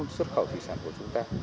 xuất khẩu thủy sản của chúng ta